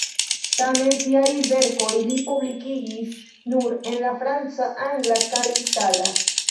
Tamen siajn verkojn li publikigis nur en la franca, angla kaj itala.